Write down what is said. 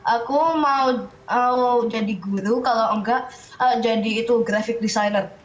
aku mau jadi guru kalau enggak jadi itu grafik designer